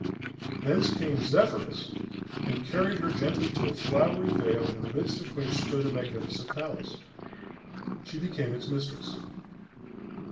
Thence came Zephyrus, and carried her gently to a flowery vale in the midst of which stood a magnificent palace. She became its mistress.